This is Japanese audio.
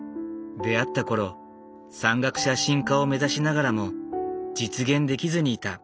出会った頃山岳写真家を目指しながらも実現できずにいた。